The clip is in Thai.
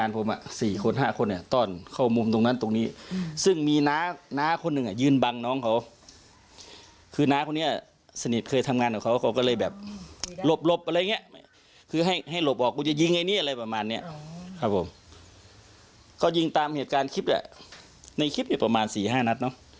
ผมรู้แหละในคลิปนี้ประมาณ๔๕นัฏเนาะ